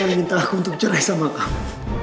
jangan minta aku untuk cerai sama kamu